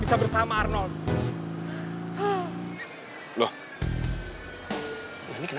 biar gue bawa lo ke bengkel